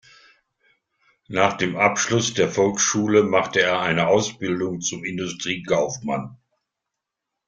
Nach dem Abschluss der Volksschule machte er eine Ausbildung zum Industriekaufmann.